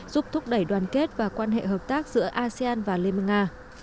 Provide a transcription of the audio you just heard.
giúp thúc đẩy đoàn kết và quan hệ hợp tác giữa asean và liên bang nga